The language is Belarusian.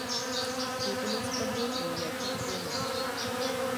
Тут у нас праблем ніякіх няма.